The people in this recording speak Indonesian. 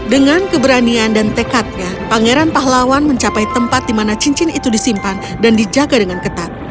dengan keberanian dan tekadnya pangeran pahlawan mencapai tempat di mana cincin itu disimpan dan dijaga dengan ketat